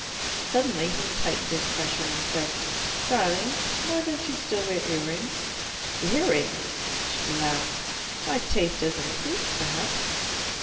Suddenly he tightened his pressure, and said, "Darling, why don't you still wear ear rings?" "Ear rings?" She laughed. "My taste has improved, perhaps."